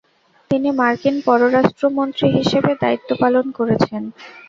তিনি মার্কিন পররাষ্ট্রমন্ত্রী হিসেবে দায়িত্ব পালন করেছেন।